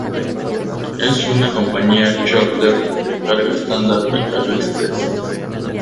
Es una compañía charter de carga estándar y carga express.